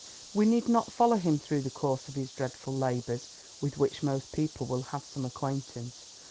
We need not follow him through the course of his dreadful labours, with which most people will have some acquaintance.